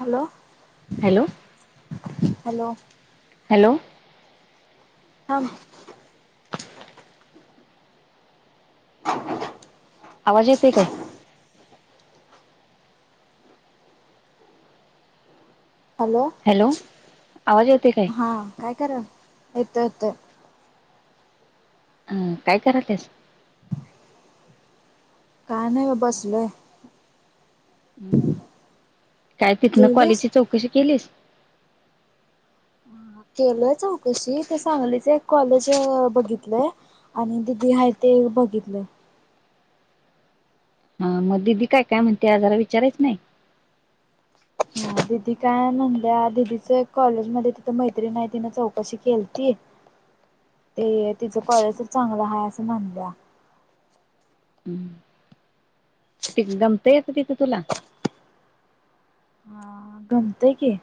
Hello hello hello hello थांब [inaudible] आवाज येतय काय? हॅलो आवाज येते काय हा काय करा येत येत. अं काय करात्यास. का नाही व बसलोय. हूं काय तिथन जेवलीस कॉलेजची चौकशी केलीस. केलंय चौकशी तर सांगलीच एक कॉलेज बघितलंय आणि दिदी हाय ते बघितलं हा मग दिदी काय काय म्हणते, आ जरा विचारायच नाही दिदी काय म्हनल्या दिदीच कॉलेज मध्ये तिथं मैत्रीन हाय तिनं चौकशी केलती ते तिच कॉलेजच चांगलं आहे असं म्हनल्या हूं ती गमत येत तिथं तुला. हा गमतय की.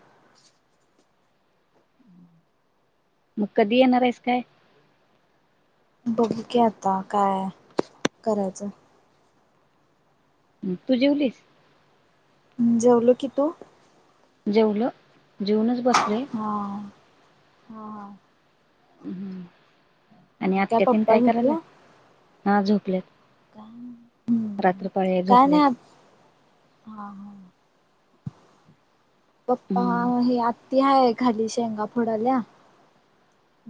कधी येणार आहेस काय? बघु की आता काय करायचं. ह तू जेवलीस? जेवलो की तू? जेवलं जेऊनच बसले. ह हा. आणि आत्या तेन काय करायला हा झोपल्यात. काय, रात्रपाळी काय नाही झोपल्यात हा हा. पप्पा हम्म हे आत्या हाहे खाली शेंगा फोडाल्या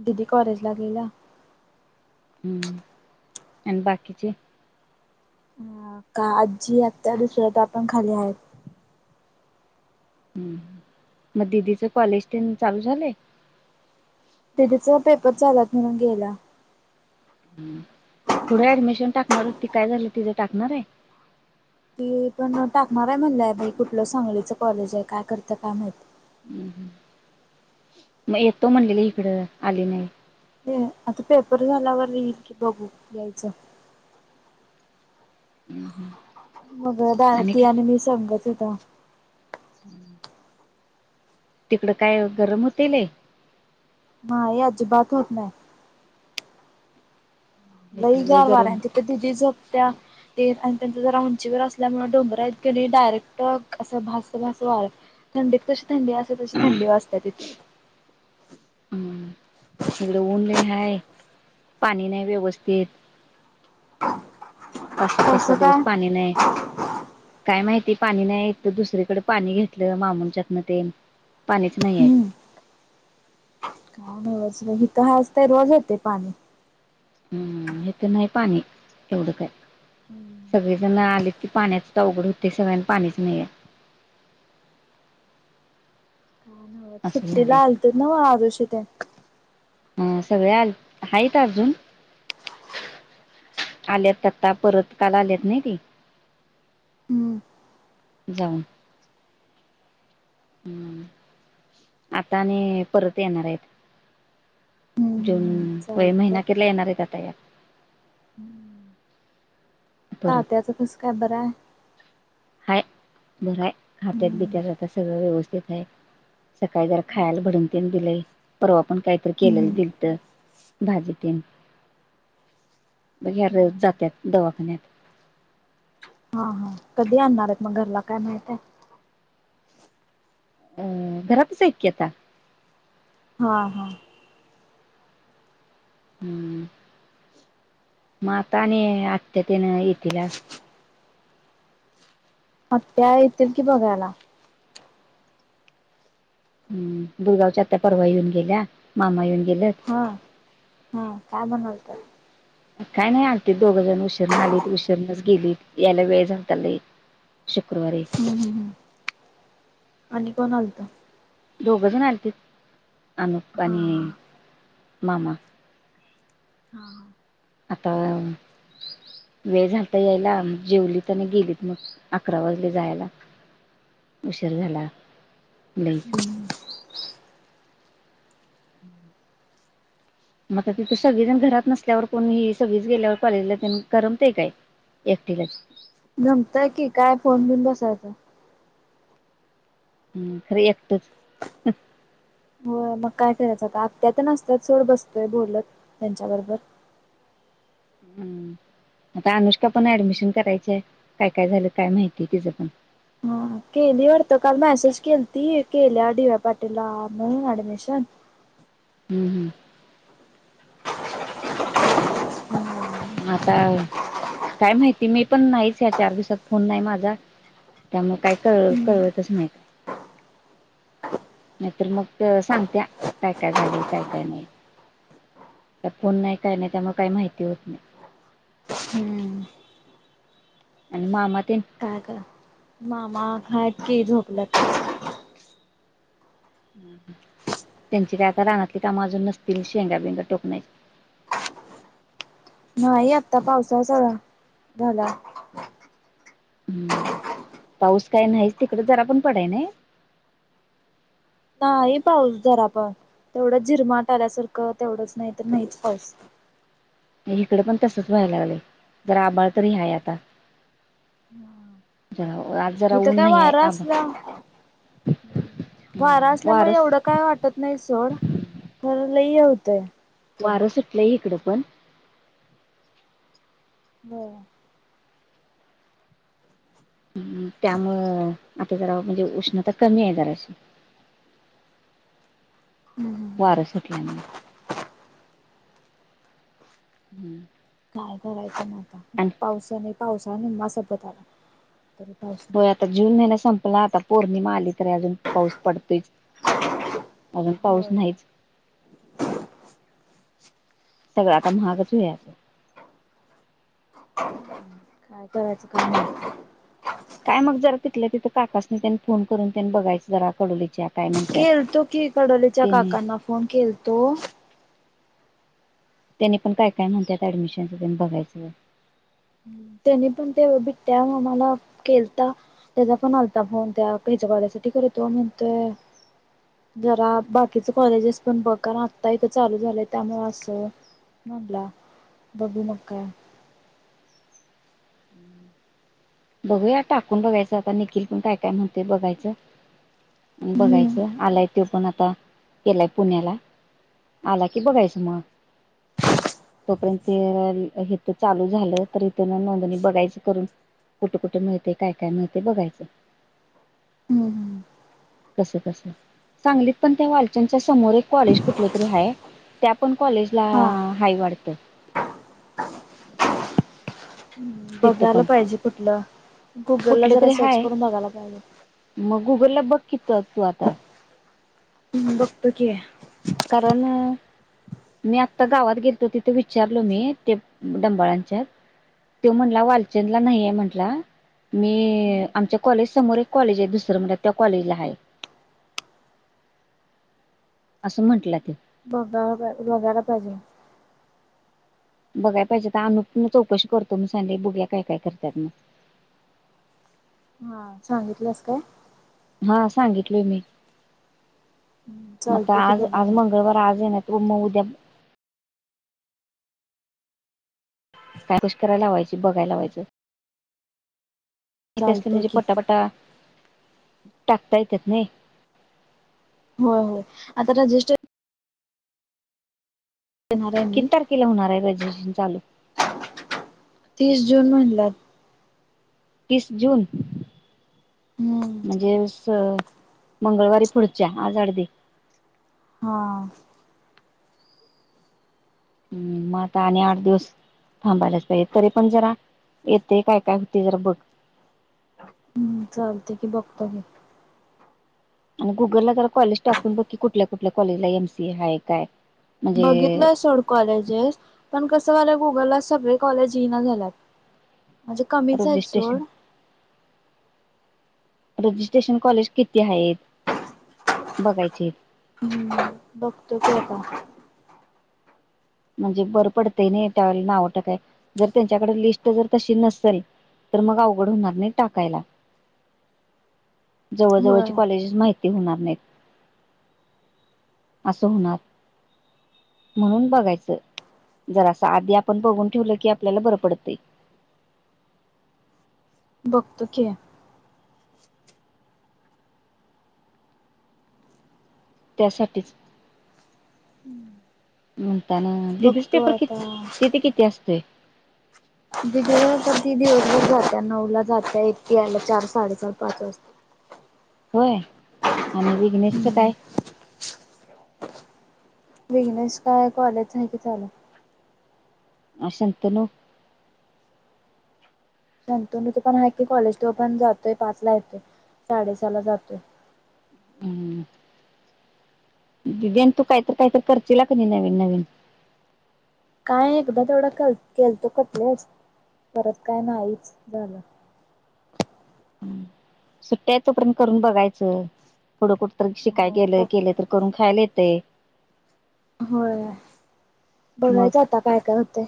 दिदी कॉलेजला गेल्या हम्म आणि बाकीचे. ह का आजी आत्या दुसऱ्या त्या आपण खाली आहेत. हं म दिदीच कॉलेज तेन चालू झाले दीदींचं पेपर चालु आहेत म्हणून गेला. पुढे ऍडमिशन टाकणार हो ती काय झाली तिचं टाकणार आहे. ती पण टाकणार आहे म्हणलंय, कुठलं सांगलीच कॉलेज आहे, काय करता काय माहीत हूं हूं म येतो म्हणलेली इकडं आली नाही ह आता पेपर झालावर यील की बघू यायच हम्म. मग दाय ती आणि मी संगच येतो हूं! तिकडं काय गरम होतलय? नाय अजीबात होत नाही. लही इकडं लय गरम गारवाार्यां त न होते तिथं दिदी झोपत्या ते आणि त्यांच जरा उंचीवर असल्यामुळे डोंगरा इतके नी डायरेक्ट असं भास भास वा थंडीत कशी थंडी असे तशी थंडी वाजते तीथून ईकड ऊनले हाय पाणी नाही व्यवस्थित. पास सा पास सा कसं काय? दिवस पाणी नाही, काय माहिती पाणी नाही तर दुसरीकडे पाणी घेतलं मामु च्यातन ते पाणीच नाही आहे हम्म काय नाही वांच व हीथ हाय असतय रोज येतय पाणी. हम्म हीत नाही पाणी एवड काय. सगळे जण आलेत की पाण्याच अवघड होतय सगळ्यांना पाणीच नहिय. [inaudible] काय असं सुट्टीला झालंय आलत ना व आरुशी ते. हा सगळे आल आहेत अजून. आल्यात आता परत काला आल्यात नाही ती हम्म. जाऊन. हूं आता आणि परत येणार आहेत. हम्म जून हम्म व महिना चालतंय. अखेरला येणार आहे आता या. परत तात्याचं कसं काय बरं आहे. हाय घरय हातत बित्यात हाय? राहता सगळं व्यवस्थित आहे सकाळी जरा खायला भाडंग दिलेय परवा पण काहीतरी केले हम्म. दिल तर भाजीतीलन बर जातात दवाखान्यात हा हा कधी आणणार आहेत मग घरला काय माहित आहे अ घरातच ऐक आता हा हा हम् माता आणि आत्यातेन येतीलला आत्या येतील की बघायला हम् गुरगावच्या आ परवा येऊन गेल्या मामा येऊन गेलेत हा हा काय म्हणालत्या मग काय नाही आलतीत दोघं जण उशीरण आलीत उशीरणच गेलीत यायला वेळ झाला शुक्रवारी हम्म हम्म आणि कोण आलत दोघंजण आणतील अमप हा आणि हा मामा हा आता वेळ झाल ता यायला मग जेवलीत आणि गेलीत मग अकरा वाजले जायला उशीर झाल्ता लय हम्म मग तिथे सगळीजण घरात नसल्यावर कोणीही सगळीच गेल्यावर कॉलेजला करमते काय एक ठठीकच गमतय कि काय फोन घेऊन बसायचा हम् खरी एकटच हो मग काय करायचं आता आत्या तेन अ सतात सो ड बसतोय बोलत त्यांच्या बरोबर हम्म आता अनुष्का पण ऍडमिशन करायच आहे काय काय झालं काय माहितीय तिचं पण हा केली वरत काल मॅसेज केली ती केल्या व्या पाटीलला म्हणून ऍडमिशन हम्म हम्म हम्म आता काय माहिती मी पण नाहीच ह्या चार दिवसात फोन नाही माझा त्यामुळे काही क कळवतच नाही काय नाहीतर मग सांगत्या काय काय झालं काय काय नाही त्या पुण नाही काय नाही त्यामुळे काही माहिती होत नाही हम्म आणि मामा तन काय करा मामा हा यत क झोपलंत त्यांची काका रानाातली तर माजून नसतील शेंगा बेंगा टोकण्याची नाही आता पावसाचा झाला हम्म पाऊस काय नाहीच तिकड जरा पण पडाय ना हा ह पावस जरा पा तेवढं जिरमाट आल्यासारखं तेवढंच नाही तर नाहीच पास हिकडे पण तसच व्हायला लागले जर आबाळ तरी हय आता ह जरा आज जरा मी तर ऊन काय नाही आहे वार आभाळ असला वारा वार असल्यामुळे एवढं काय वाटत नाही सोड ल होतं वारं सुटलंय इकड पण हो ह त्यामुळं आता जरा म्हणजे उष्णता कमी आहे जराशी ह वारं सुटल्यामुळे हम्म काय करायचं ना आता पावसा नाही पावसा निम्मा सोबत आला तरी पाऊस हो नाही आता जून महिना संपला आता, पौर्णिमा आली तरी अजून पाऊस पडतोच. आजून पाऊस होय नाहीच. सगळं आता महागच होयाचं. [inaudible] [unintelligible] काय मग जरा तितल्या तिथं काकास्नी तेन फोन करून तेन बघायचं जरा कडोलीच्या. काय म्हणत्यात केलतो कि, कडोलीच्या त्यानी काकांना फोन केलतो. त्यानी पण काय काय म्हणत्यात ऍडमिशनचं तेन बघायचं. त्यानी पण ते बिट्ट्या मामाला केलता. त्याजा पण आलता फोन त्या हेच्या गार्यासाठी कर तो म्हणतोय जरा बाकीचं कॉलेजेस पण बघ. कार आत्ता इथं चालू झालंय त्यामु असं. म्हणला बघू नका. बघूया टाकून बघायचं आता निखिल पण काय काय म्हणतय बघायचं. आन् हम्म बघायचं, आलाय तो पण आता केलाय पुण्याला. आला की बघायचं म. तोपर्यंत हे हितं चालू झालं तर हितं ना नोंदणी बघायचं करून. कुटं कुटं मिळते काय काय मिळते बघायचं. [inaudible] कसं कसं, सांगलीत पण त्या वालच्यांच्या समोर एक कॉलेज कुठलं तरी हाय. त्या पण कॉलेजला हा हाय वाडतं. [inaudible] हं तिथं बघायला पण पाहिजे कुठलं. गुगल ला कुठलं जरा तरी सर्च हाय करून बघायला पाहिजे. मग गुगलला बघ की त तू आता. बघतो की. कारण मी आत्ता गावात गेेलतो तिथं विचारलो मी ते डंबाळांच्यात. तो म्हणला वालचंदला नाहीये म्हंटला. मी आमच्या कॉलेज समोर एक कॉलेज आय दुसर म्हण त्या कॉलेजला हाय. [inaudible] असं म्हंटला ते. बगा बाय बगाला पाहिजे. बघाय पाहिजे ता अनुप म चौकशी करतो मी संडे बुगल्या काय काय करत्यात म. हां, सांगितलंस काय? हा सांगितलय मी. मता चालते की आज बघा आज मग मंगळवाराय आज येण्या अ म उद्या काय कुश कराय लावायची, बघाय लावायचं. इते असले चालतय म्हणजे की पटापटा टाकता येत्यात नाही. होय होय, आता रजिस्टर देणार आहे मी किती तारखेला होणार आय रजिशन चालू? तीस जून म्हणल्यात. तीस जून. हम्म म्हणजे अस मंगळवारी पुढच्या, आज अडदी. हां हम्, म आता आणि आठ दिवस थांबायलाच पाईये. तरी पण जरा येते काय काय होते जरा बघ. हम्म चालते की बघतो की. आणि गुगलला जरा कॉलेज टाकून बघ की, कुठल्या कुठल्या कॉलेजला एम सी ए हाय काय? म्हणजे बघितलंय सोड कॉलेजेस. पण कस झालय गुगलला सगळी कॉलेज येईना झाल्यात. म्हजे कमीच हाईत रजिस्ट्रेशन सोड. रजिस्ट्रेशन कॉलेज किती हायेत. बघायचे. हम्म. बघतो की आता. म्हणजे बरं पडतंय नई त्यावेळेला नाव टाकाय जर त्यांच्याकड लिस्ट जर तशी नसल तर मग अवघड होणार नाही टाकायला. जवळ होय जवळची कॉलेजेस माहिती होणार नाहीत. असं होणार, म्हणून बघायचं. जर अस आधी आपण बघून ठेवलं की आपल्याला बर पडतय. बघतो की. त्यासाठीच. हम्. आनं दिदीचं बघतो पेपर कि आता किती किती असतोय. दिदिचं पेपर ति दिवसभर जात्या नऊला जात्या एकटी यायला चार साडेचार पाच वाजत्यात. [inaudible] होय आणि विघ्नेशच हम्म काय? विघ्नेश काय कॉलेज हाय की चालू. अ शंतनु. शंतनुच पण हाय की कॉलेज त्यो पण जातोय पाचला येतोय. साडे सहाला जातोय. हम्म. दिदी आणि तू काहीतर काहीतर करशीला कनी नवीन नवीन. काय एकदा तेवढा कल केलतो [unintelligible] परत काय नाहीच झालं. सुट्ट्या हाय तोपर्यंत करून बघायचं थोडं कुठं तर शिकाय हो गेलं बघ केलं तर करून खायला ये तयं. होय. मग बघायचं आता काय काय होतय.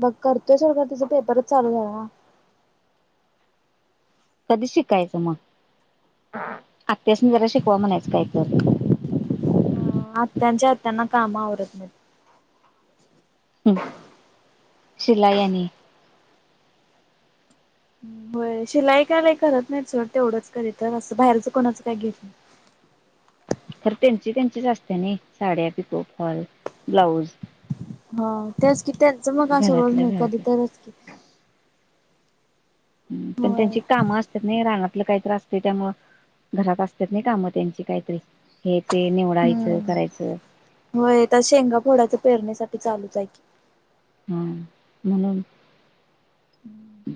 बघ करतोय सोडा तिचा पेपरच चालू झाला ना. कधी शिकायचं म. आत्यासनी जरा शिकवा म्हणायचं काय तर. हा आत्यांच्या आत्यांना काम आवरत नाही. ह् शिलाई आनी. होय. शिलाई काय लई करत नाही सोड तेवढंच कधितर, असं बाहेरच कोणाचं काही घेत नाही. [inaudible] खर त्यांची त्यांचीच असते नइ साड्या पिको फॉल ब्लाऊज. हा त्याच कि त्यांच मग अस रोज घरातल्या नाही कधी घरातल्या तरच कि. पण होय. त्यांची कामं असतात नाही रानाातलं काही तर असते त्यामुळ घरात असतात नाही काम त्यांची काही-तरी हे -ते निवडायचं हम्म करायचं. होय तर शेंगा फोडायच पेरण्यासाठी चालूच हाय की. हा म्हणुन [inaudible]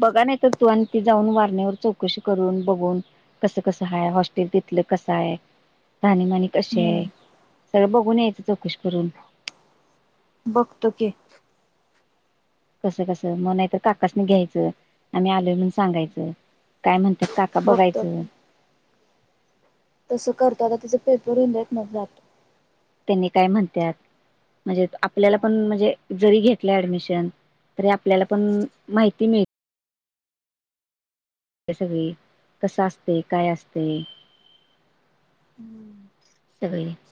बघा नाही तर तू आणि ती जाऊन वारण्यावर चौकशी करून बघून कसं -कसं हाय हॉस्टेल तिन - - तथलं कस हाय. राहणीमानी कशी हाय. हम्म सगळं बघून यायचं चौकशी करून. बघतो की.. कस- कसं मग नाही तर काकासनी घ्यायचं. आम्ही आलोय म्हणून सांगायचं काय म्हणत्यात काका बघतो बघायचं. तसं करतो आता. तिच पेपर होऊ दे मग जातो. त्यांनी काय म्हणत्यात, म्हणजे आपल्याला हा. पण म्हणजे जरी घेतलं ऍडमिशन तरी आपल्याला पण माहिती मिळते त्या सगळी कसं असतयं. काय असतयं. हम्म [inaudible] सगळी